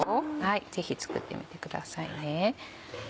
ぜひ作ってみてくださいね。